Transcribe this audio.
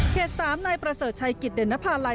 ๓นายประเสริฐชัยกิจเด่นนภาลัย